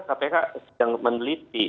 kpk sedang meneliti